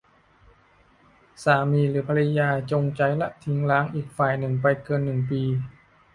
สามีหรือภริยาจงใจละทิ้งร้างอีกฝ่ายหนึ่งไปเกิน หนึ่ง ปี